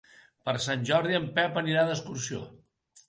Per Sant Jordi en Pep anirà d'excursió.